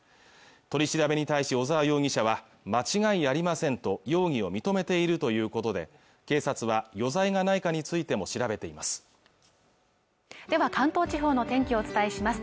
取り調べに対し小沢容疑者は間違いありませんと容疑を認めているということで警察は余罪がないかについても調べていますでは関東地方の天気をお伝えします